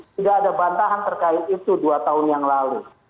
tidak ada bantahan terkait itu dua tahun yang lalu